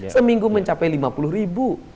seminggu mencapai lima puluh ribu